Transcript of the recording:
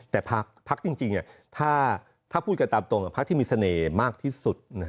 แต่พักจริงถ้าพูดกันตามตรงกับพักที่มีเสน่ห์มากที่สุด